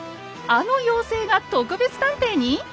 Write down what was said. あの妖精が特別探偵に⁉